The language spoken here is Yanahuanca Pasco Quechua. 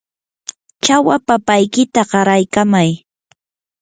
chawa papaykita qaraykamay.